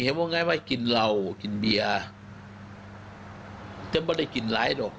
ว่าง่ายว่ากินเหล้ากินเบียร์จะไม่ได้กินร้ายหรอก